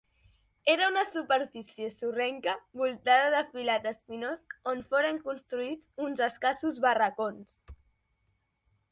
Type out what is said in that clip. Era una superfície sorrenca voltada de filat espinós on foren construïts uns escassos barracons.